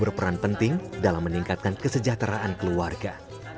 berperan penting dalam meningkatkan kesejahteraan keluarga